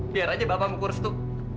biar aja bapak muku restu